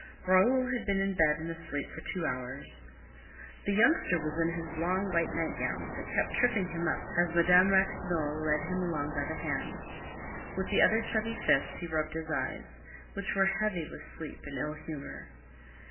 Raoul had been in bed and asleep for two hours. The youngster was in his long white nightgown, that kept tripping him up as Madame Ratignolle led him along by the hand. With the other chubby fist he rubbed his eyes, which were heavy with sleep and ill humor.